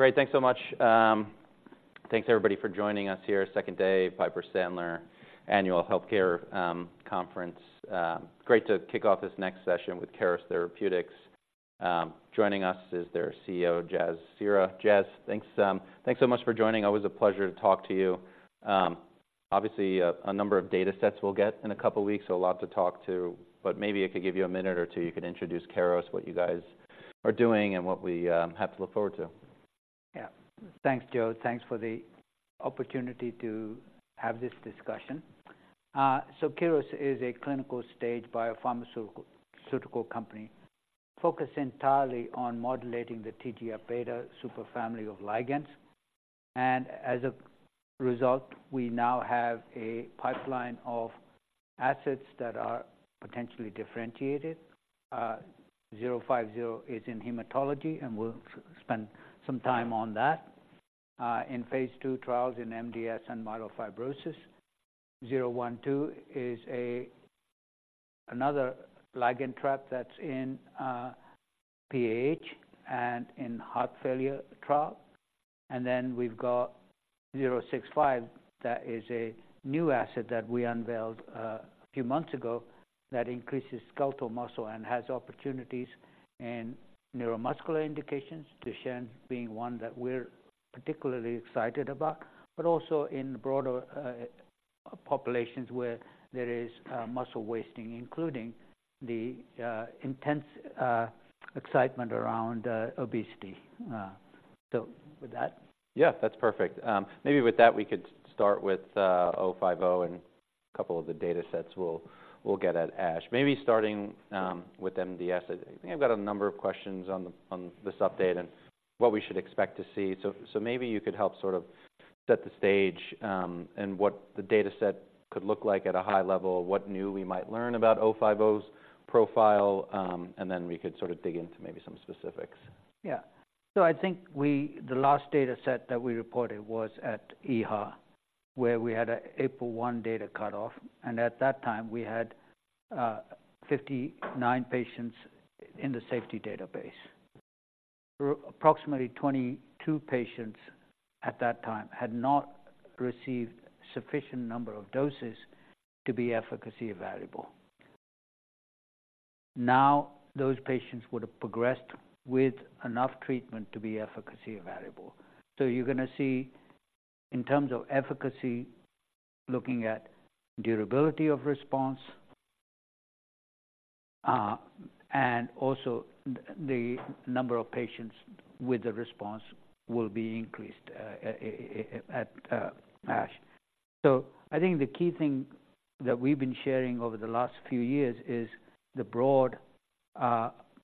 Great, thanks so much. Thanks everybody for joining us here, second day, Piper Sandler Annual Healthcare Conference. Great to kick off this next session with Keros Therapeutics. Joining us is their CEO, Jas Seehra. Jas, thanks so much for joining. Always a pleasure to talk to you. Obviously, a number of data sets we'll get in a couple of weeks, so a lot to talk to, but maybe I could give you a minute or two, you could introduce Keros, what you guys are doing and what we have to look forward to. Yeah. Thanks, Joe. Thanks for the opportunity to have this discussion. So Keros is a clinical stage biopharmaceutical company, focused entirely on modulating the TGF-β superfamily of ligands. And as a result, we now have a pipeline of assets that are potentially differentiated. KER-050 is in hematology, and we'll spend some time on that. In phase II trials in MDS and myelofibrosis, KER-012 is a another ligand trap that's in PAH and in heart failure trial. And then we've got KER-065, that is a new asset that we unveiled a few months ago, that increases skeletal muscle and has opportunities in neuromuscular indications, Duchenne being one that we're particularly excited about, but also in broader populations where there is muscle wasting, including the intense excitement around obesity. So with that? Yeah, that's perfect. Maybe with that, we could start with KER-050, and a couple of the datasets we'll get at ASH. Maybe starting with MDS. I think I've got a number of questions on this update and what we should expect to see. So maybe you could help sort of set the stage, and what the dataset could look like at a high level, what new we might learn about KER-050's profile, and then we could sort of dig into maybe some specifics. Yeah. So I think we, the last dataset that we reported was at EHA, where we had an April 1 data cutoff, and at that time, we had 59 patients in the safety database. Approximately 22 patients at that time had not received sufficient number of doses to be efficacy evaluable. Now, those patients would have progressed with enough treatment to be efficacy evaluable. So you're going to see, in terms of efficacy, looking at durability of response, and also the number of patients with the response will be increased at ASH. So I think the key thing that we've been sharing over the last few years is the broad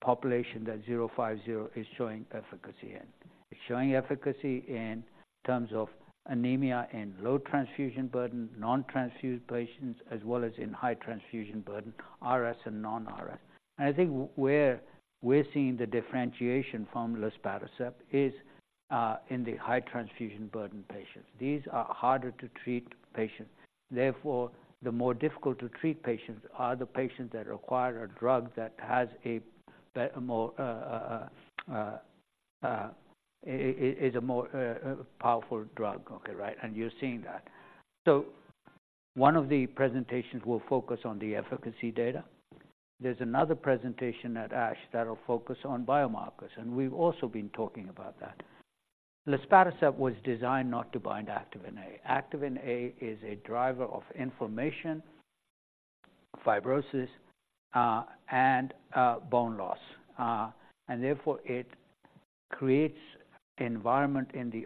population that KER-050 is showing efficacy in. It's showing efficacy in terms of anemia and low transfusion burden, non-transfused patients, as well as in high transfusion burden, RS and non-RS. I think where we're seeing the differentiation from luspatercept is in the high transfusion burden patients. These are harder to treat patients, therefore, the more difficult to treat patients are the patients that require a drug that has a better, more, is a more powerful drug. Okay, right, and you're seeing that. So one of the presentations will focus on the efficacy data. There's another presentation at ASH that will focus on biomarkers, and we've also been talking about that. Luspatercept was designed not to bind Activin A. Activin A is a driver of inflammation, fibrosis, and bone loss. And therefore, it creates environment in the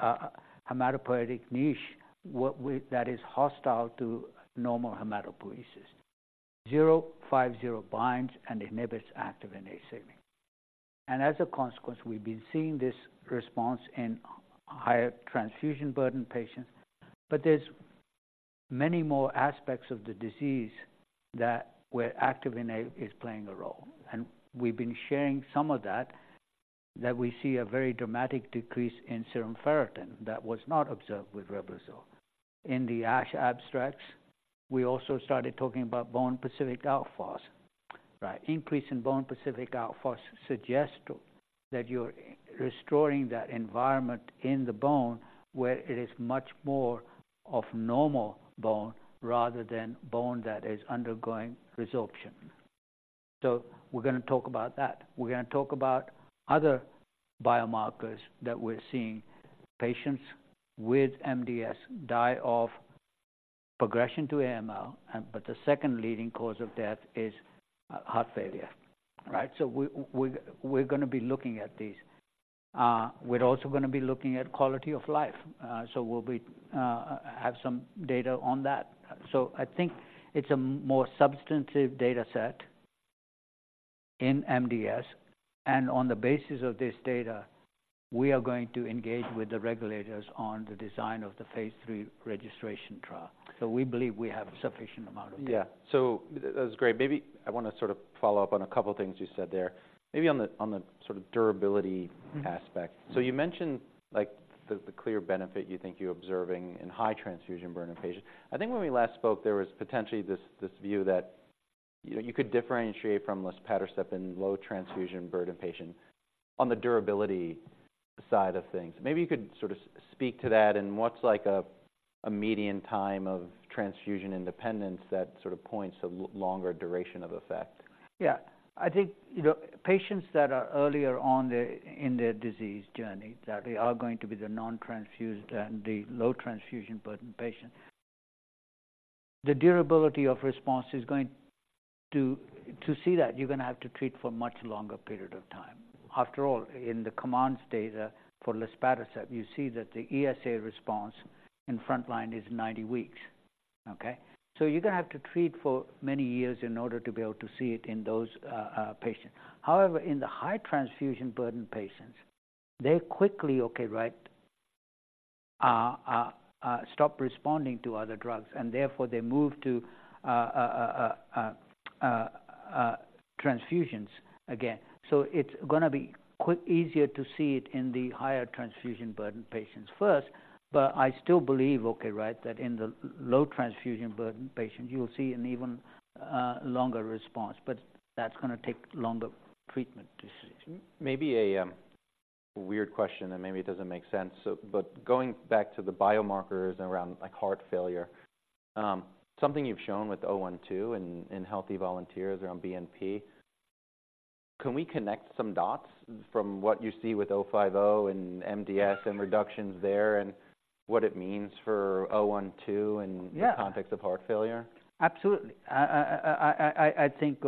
osteohematopoietic niche that is hostile to normal hematopoiesis. KER-050 binds and inhibits Activin A signaling. And as a consequence, we've been seeing this response in higher transfusion burden patients, but there's many more aspects of the disease that where Activin A is playing a role. And we've been sharing some of that, that we see a very dramatic decrease in serum ferritin that was not observed with Reblozyl. In the ASH abstracts, we also started talking about bone specific alk phos, right? Increase in bone specific alk phos suggest that you're restoring that environment in the bone, where it is much more of normal bone rather than bone that is undergoing resorption. So we're going to talk about that. We're going to talk about other biomarkers that we're seeing. Patients with MDS die of progression to AML, and, but the second leading cause of death is heart failure. Right? So we're going to be looking at these. We're also going to be looking at quality of life, so we'll have some data on that. So I think it's a more substantive data set in MDS, and on the basis of this data, we are going to engage with the regulators on the design of the phase III registration trial. So we believe we have a sufficient amount of data. Yeah. That was great. Maybe I want to sort of follow up on a couple of things you said there, maybe on the sort of durability aspect. So you mentioned, like, the clear benefit you think you're observing in high transfusion burden patients. I think when we last spoke, there was potentially this view that, you know, you could differentiate from luspatercept in low transfusion burden patient on the durability side of things. Maybe you could sort of speak to that and what's like a median time of transfusion independence that sort of points to longer duration of effect? Yeah. I think, you know, patients that are earlier on their in their disease journey, that they are going to be the non-transfused and the low transfusion burden patient. The durability of response is going to to see that, you're going to have to treat for much longer period of time. After all, in the COMMANDS data for luspatercept, you see that the ESA response in frontline is 90 weeks. Okay? So you're going to have to treat for many years in order to be able to see it in those patients. However, in the high transfusion burden patients, they quickly, okay, right, stop responding to other drugs, and therefore, they move to transfusions again. So it's gonna be quick, easier to see it in the higher transfusion burden patients first, but I still believe, okay, right, that in the low transfusion burden patient, you will see an even longer response, but that's gonna take longer treatment decision. Maybe a weird question, and maybe it doesn't make sense, so but going back to the biomarkers around, like, heart failure, something you've shown with KER-012 in healthy volunteers around BNP. Can we connect some dots from what you ee with KER-050 and MDS and reductions there and what it means for KER-012 and the context of heart failure? Absolutely. I think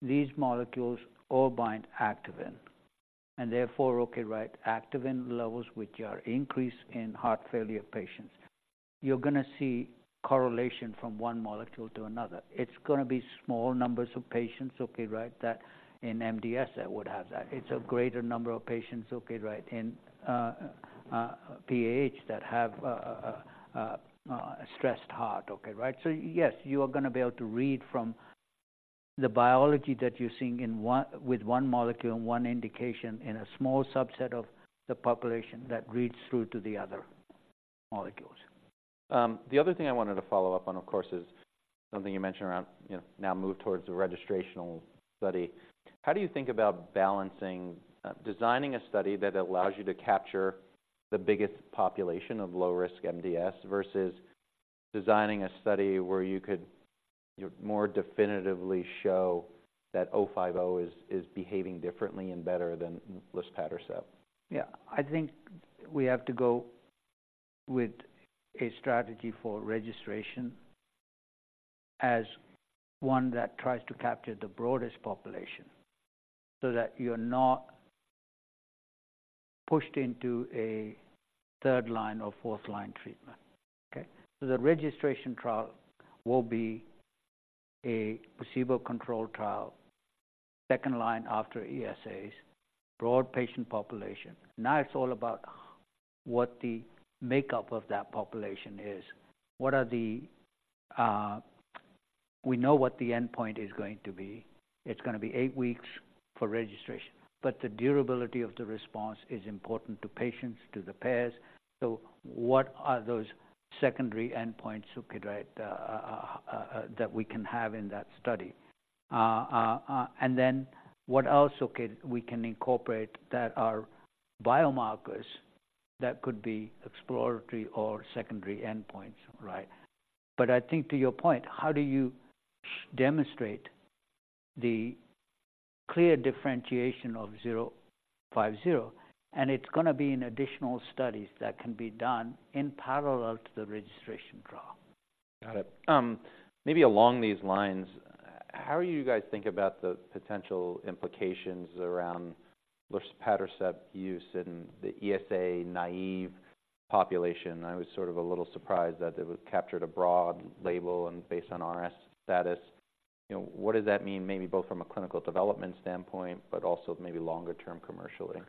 these molecules all bind activin, and therefore, activin levels, which are increased in heart failure patients. You're gonna see correlation from one molecule to another. It's gonna be small numbers of patients that in MDS that would have that. It's a greater number of patients in PAH that have a stressed heart. So yes, you are gonna be able to read from the biology that you're seeing in one with one molecule and one indication in a small subset of the population that reads through to the other molecules. The other thing I wanted to follow up on, of course, is something you mentioned around, you know, now move towards the registrational study. How do you think about balancing, designing a study that allows you to capture the biggest population of low-risk MDS versus designing a study where you could, you know, more definitively show that KER-050 is behaving differently and better than luspatercept? Yeah. I think we have to go with a strategy for registration as one that tries to capture the broadest population so that you're not pushed into a third line or fourth-line treatment. Okay, so the registration trial will be a placebo-controlled trial, second line after ESAs, broad patient population. Now, it's all about what the makeup of that population is. What are the... We know what the endpoint is going to be. It's gonna be eight weeks for registration, but the durability of the response is important to patients, to the payers. So what are those secondary endpoints, okay, right, that we can have in that study? And then what else, okay, we can incorporate that are biomarkers that could be exploratory or secondary endpoints, right? But I think to your point, how do you demonstrate the clear differentiation of KER-050? And it's gonna be in additional studies that can be done in parallel to the registration trial. Got it. Maybe along these lines, how do you guys think about the potential implications around luspatercept use in the ESA-naive population? I was sort of a little surprised that it was captured a broad label and based on RS status. You know, what does that mean, maybe both from a clinical development standpoint, but also maybe longer term commercially?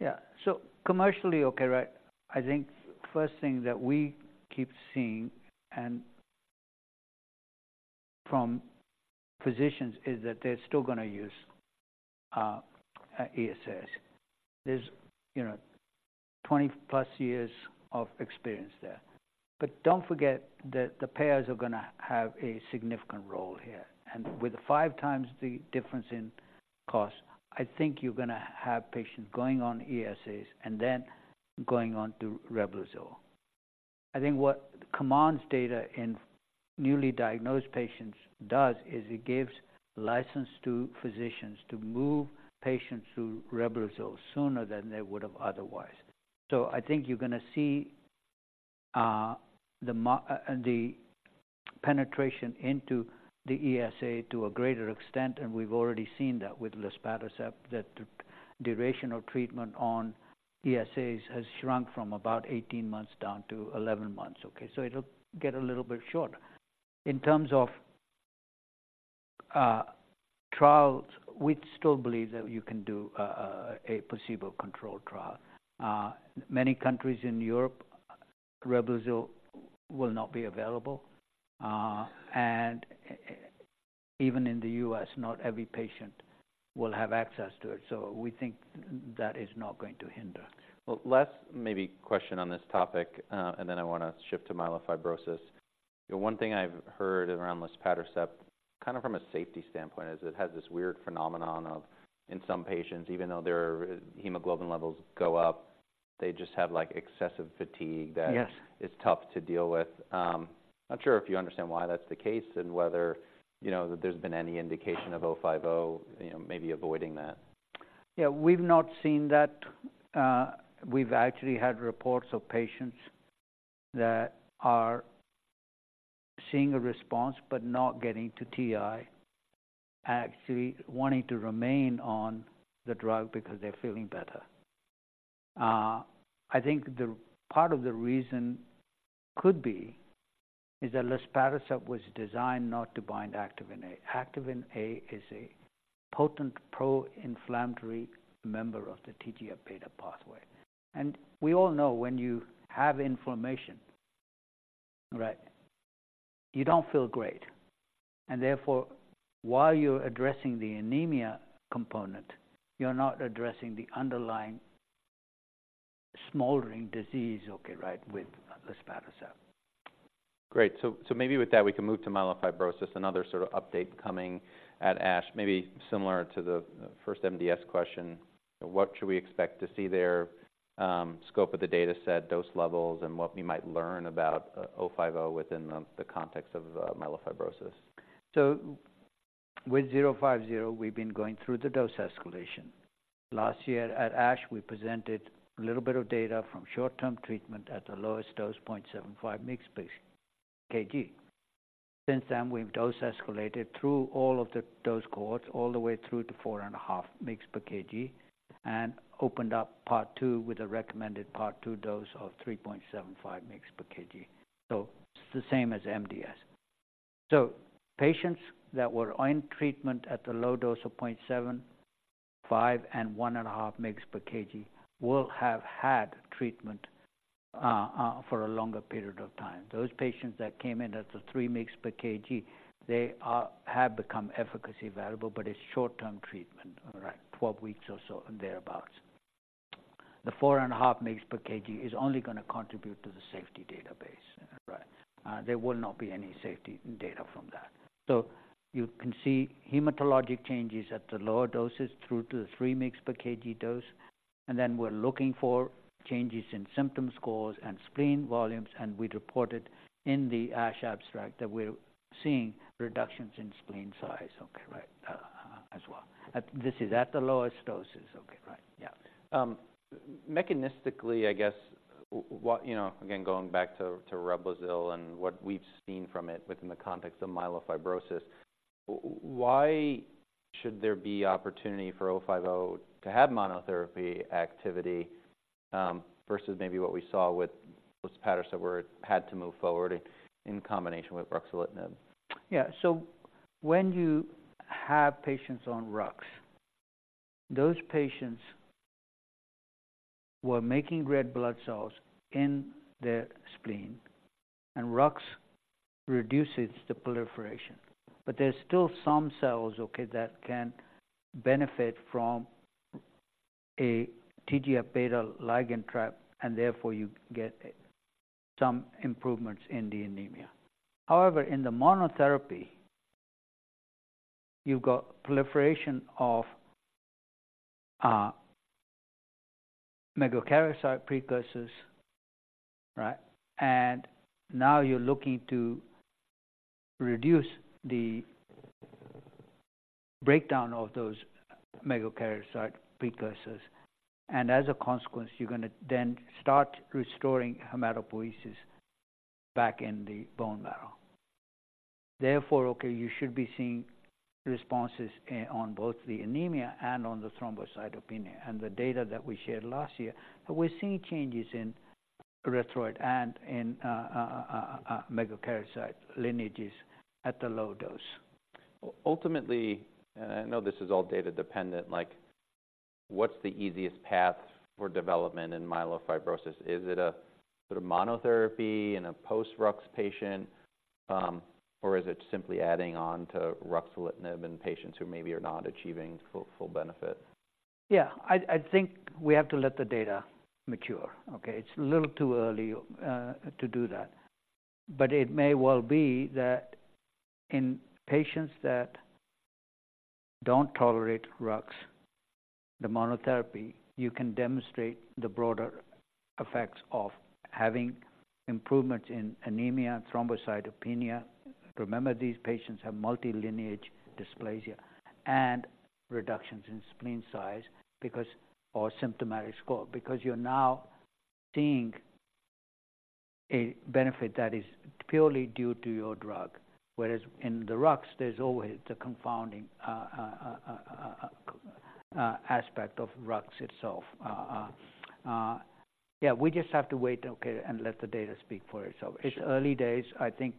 Yeah. So commercially, okay, right, I think first thing that we keep seeing and from physicians is that they're still gonna use ESAs. There's, you know, 20+ years of experience there. But don't forget that the payers are gonna have a significant role here. And with the five times the difference in cost, I think you're gonna have patients going on ESAs and then going on to Reblozyl. I think what COMMANDS data in newly diagnosed patients does is it gives license to physicians to move patients through Reblozyl sooner than they would have otherwise. So I think you're gonna see the penetration into the ESA to a greater extent, and we've already seen that with luspatercept, that the durational treatment on ESAs has shrunk from about 18 months down to 11 months. Okay, so it'll get a little bit shorter. In terms of trials, we still believe that you can do a placebo-controlled trial. Many countries in Europe, Reblozyl will not be available, and even in the U.S., not every patient will have access to it, so we think that is not going to hinder. Well, last maybe question on this topic, and then I want to shift to myelofibrosis. The one thing I've heard around luspatercept, kind of from a safety standpoint, is it has this weird phenomenon of, in some patients, even though their hemoglobin levels go up, they just have, like, excessive fatigue that is tough to deal with. Not sure if you understand why that's the case and whether, you know, there's been any indication of KER-050, you know, maybe avoiding that. Yeah, we've not seen that. We've actually had reports of patients that are seeing a response but not getting to TI, actually wanting to remain on the drug because they're feeling better. I think the part of the reason could be is that luspatercept was designed not to bind Activin A. Activin A is a potent pro-inflammatory member of the TGF-β pathway. And we all know when you have inflammation, right, you don't feel great, and therefore, while you're addressing the anemia component, you're not addressing the underlying smoldering disease, okay, right, with luspatercept. Great. So, so maybe with that, we can move to myelofibrosis, another sort of update coming at ASH, maybe similar to the first MDS question. What should we expect to see there, scope of the dataset, dose levels, and what we might learn about KER-050 within the, the context of myelofibrosis? With KER-050, we've been going through the dose escalation. Last year at ASH, we presented a little bit of data from short-term treatment at the lowest dose, 0.75 mg/kg. Since then, we've dose escalated through all of the dose cohorts, all the way through to 4.5 mg/kg, and opened up part II with a recommended part II dose of 3.75 mg/kg. So it's the same as MDS. So patients that were on treatment at the low dose of 0.75 and 1.5 mg/kg will have had treatment for a longer period of time. Those patients that came in at the 3 mg/kg, they have become efficacy evaluable, but it's short-term treatment, all right, 12 weeks or so and thereabout. The 4.5 mg/kg is only going to contribute to the safety database, right? There will not be any safety data from that. So you can see hematologic changes at the lower doses through to the 3 mg/kg dose, and then we're looking for changes in symptom scores and spleen volumes, and we reported in the ASH abstract that we're seeing reductions in spleen size, okay, right, as well. This is at the lowest doses. Okay, right. Yeah. Mechanistically, I guess, what, you know, again, going back to Revlimid and what we've seen from it within the context of myelofibrosis, why should there be opportunity for KER-050 to have monotherapy activity, versus maybe what we saw with luspatercept, where it had to move forward in combination with ruxolitinib? Yeah. So when you have patients on rux, those patients were making red blood cells in their spleen, and rux reduces the proliferation. But there's still some cells, okay, that can benefit from a TGF-β ligand trap, and therefore, you get some improvements in the anemia. However, in the monotherapy, you've got proliferation of megakaryocyte precursors, right? And now you're looking to reduce the breakdown of those megakaryocyte precursors, and as a consequence, you're going to then start restoring hematopoiesis back in the bone marrow. Therefore, okay, you should be seeing responses on both the anemia and on the thrombocytopenia. And the data that we shared last year, we're seeing changes in erythroid and in megakaryocyte lineages at the low dose. Ultimately, and I know this is all data dependent, like, what's the easiest path for development in myelofibrosis? Is it a sort of monotherapy in a post-rux patient, or is it simply adding on to ruxolitinib in patients who maybe are not achieving full, full benefit? Yeah. I'd, I'd think we have to let the data mature, okay? It's a little too early to do that. But it may well be that in patients that don't tolerate rux, the monotherapy, you can demonstrate the broader effects of having improvement in anemia and thrombocytopenia. Remember, these patients have multilineage dysplasia and reductions in spleen size because... or symptomatic score, because you're now seeing a benefit that is purely due to your drug, whereas in the rux, there's always the confounding aspect of rux itself. Yeah, we just have to wait, okay, and let the data speak for itself. It's early days. I think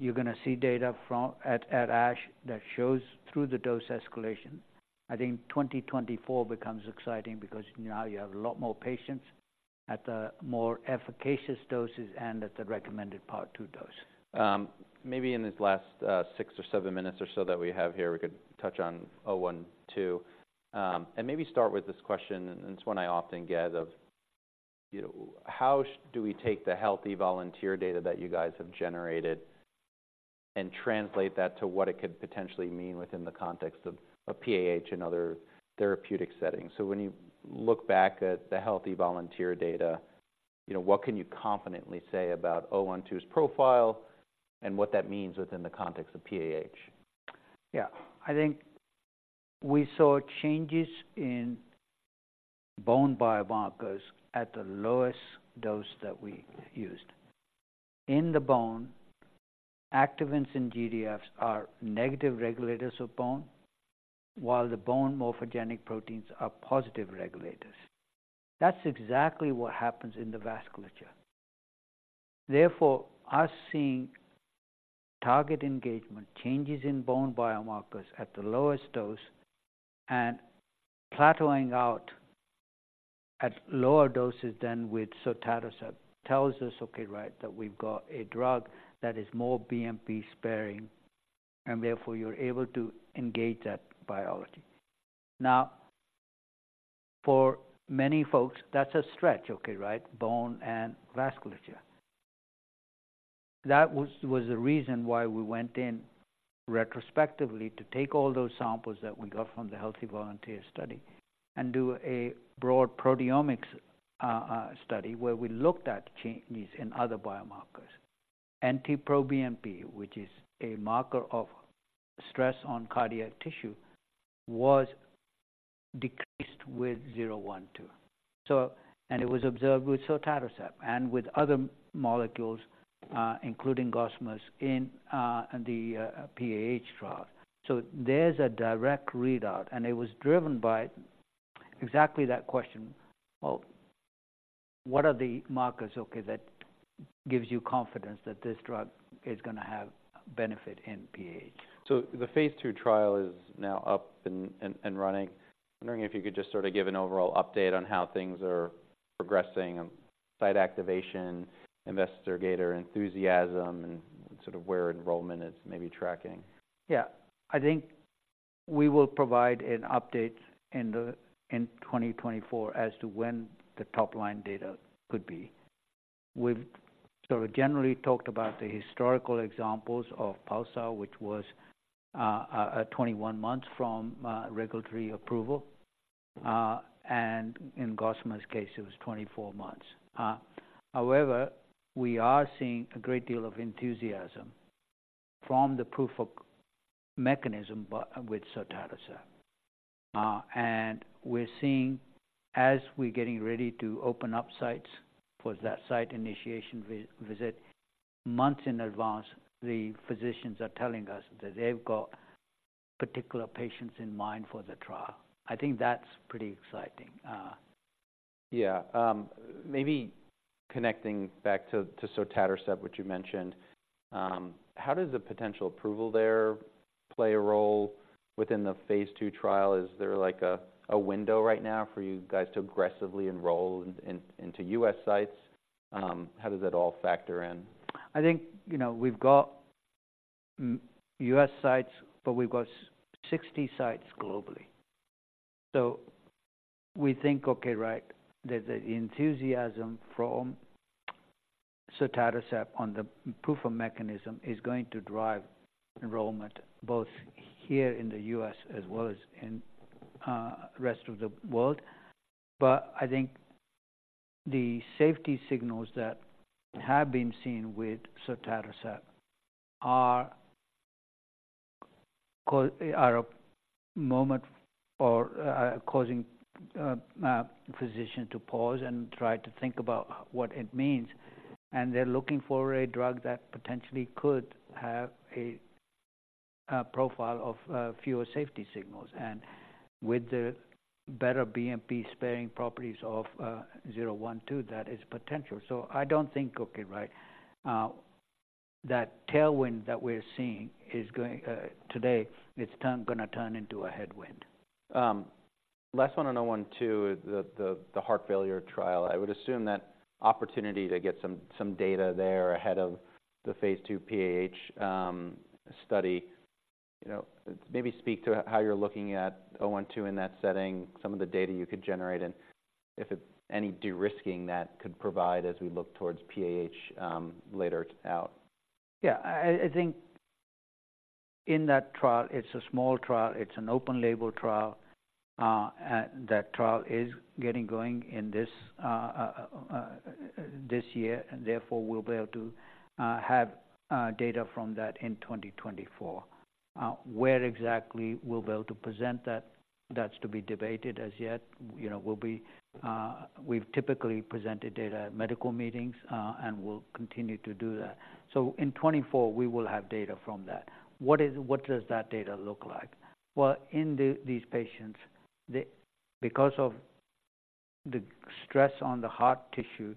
you're going to see data from at, at ASH that shows through the dose escalation. I think 2024 becomes exciting because now you have a lot more patients. At the more efficacious doses and at the recommended part II dose. Maybe in this last six or seven minutes or so that we have here, we could touch on KER-012. And maybe start with this question, and it's one I often get of, you know, how do we take the healthy volunteer data that you guys have generated and translate that to what it could potentially mean within the context of PAH and other therapeutic settings? So when you look back at the healthy volunteer data, you know, what can you confidently say about KER-012's profile and what that means within the context of PAH? Yeah. I think we saw changes in bone biomarkers at the lowest dose that we used. In the bone, activins and GDFs are negative regulators of bone, while the bone morphogenic proteins are positive regulators. That's exactly what happens in the vasculature. Therefore, us seeing target engagement, changes in bone biomarkers at the lowest dose and plateauing out at lower doses than with sotatercept tells us, "Okay, right, that we've got a drug that is more BMP sparing, and therefore, you're able to engage that biology." Now, for many folks, that's a stretch. Okay, right? Bone and vasculature. That was the reason why we went in retrospectively to take all those samples that we got from the healthy volunteer study and do a broad proteomics study, where we looked at changes in other biomarkers. NT-proBNP, which is a marker of stress on cardiac tissue, was decreased with KER-012. So, and it was observed with sotatercept and with other molecules, including sotatercept in the PAH trial. So there's a direct readout, and it was driven by exactly that question. Well, what are the markers, okay, that gives you confidence that this drug is going to have benefit in PAH? The phase II trial is now up and running. I'm wondering if you could just sort of give an overall update on how things are progressing, site activation, investigator enthusiasm, and sort of where enrollment is maybe tracking. Yeah. I think we will provide an update in 2024 as to when the top-line data could be. We've sort of generally talked about the historical examples of PULSAR, which was at 21 months from regulatory approval, and in Gossamer's case, it was 24 months. However, we are seeing a great deal of enthusiasm from the proof of mechanism by with sotatercept. And we're seeing as we're getting ready to open up sites for that site initiation visit, months in advance, the physicians are telling us that they've got particular patients in mind for the trial. I think that's pretty exciting. Yeah. Maybe connecting back to sotatercept, which you mentioned. How does the potential approval there play a role within the phase II trial? Is there, like, a window right now for you guys to aggressively enroll in, into U.S. sites? How does that all factor in? I think, you know, we've got U.S. sites, but we've got 60 sites globally. So we think, okay, right, that the enthusiasm from sotatercept on the proof of mechanism is going to drive enrollment both here in the U.S. as well as in rest of the world. But I think the safety signals that have been seen with sotatercept are causing physicians to pause and try to think about what it means. And they're looking for a drug that potentially could have a profile of fewer safety signals. And with the better BMP-sparing properties of KER-012, that is potential. So I don't think, okay, right, that tailwind that we're seeing is going to turn into a headwind. Last one on KER-012, the heart failure trial. I would assume that opportunity to get some data there ahead of the phase II PAH study. You know, maybe speak to how you're looking at KER-012 in that setting, some of the data you could generate, and if it... any de-risking that could provide as we look towards PAH later out. Yeah. I think in that trial, it's a small trial, it's an open label trial, and that trial is getting going in this year, and therefore, we'll be able to have data from that in 2024. Where exactly we'll be able to present that, that's to be debated as yet. You know, we'll be, we've typically presented data at medical meetings, and we'll continue to do that. So in 2024, we will have data from that. What is-- What does that data look like? Well, in these patients, because of the stress on the heart tissue,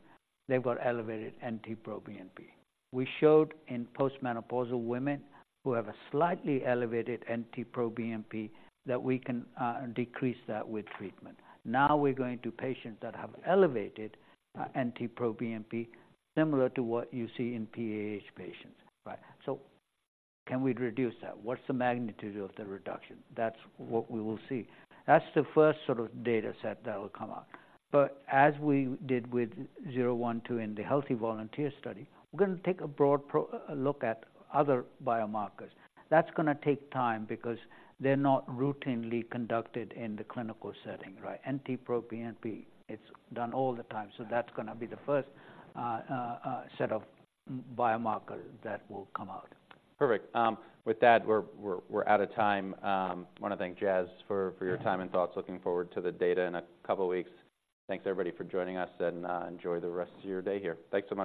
they've got elevated NT-proBNP. We showed in post-menopausal women who have a slightly elevated NT-proBNP, that we can decrease that with treatment. Now we're going to patients that have elevated NT-proBNP, similar to what you see in PAH patients, right? So can we reduce that? What's the magnitude of the reduction? That's what we will see. That's the first sort of data set that will come out. But as we did with KER-012 in the healthy volunteer study, we're going to take a broad profile look at other biomarkers. That's going to take time because they're not routinely conducted in the clinical setting, right? NT-proBNP, it's done all the time, so that's going to be the first set of biomarker that will come out. Perfect. With that, we're out of time. I want to thank Jas for your time and thoughts. Looking forward to the data in a couple of weeks. Thanks, everybody, for joining us, and enjoy the rest of your day here. Thanks so much.